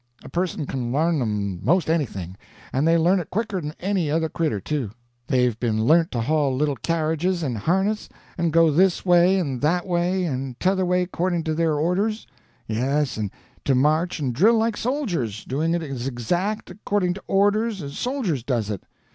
A person can learn them 'most anything; and they learn it quicker than any other cretur, too. They've been learnt to haul little carriages in harness, and go this way and that way and t'other way according to their orders; yes, and to march and drill like soldiers, doing it as exact, according to orders, as soldiers does it.